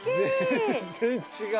全然違う。